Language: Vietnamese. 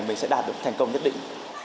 mình sẽ đạt được thành công nhất định